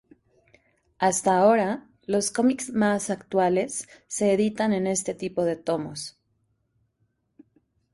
Hasta ahora los cómics más actuales se editan en este tipo de tomos.